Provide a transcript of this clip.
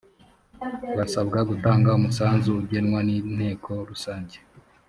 basabwa gutanga umusanzu ugenwa n’inteko rusange